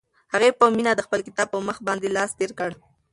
هغې په مینه د خپل کتاب په مخ باندې لاس تېر کړ.